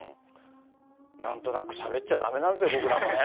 なんとなくしゃべっちゃだめなんですよ、僕らもね。